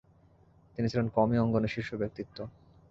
তিনি ছিলেন কওমি অঙ্গনের শীর্ষ ব্যক্তিত্ব।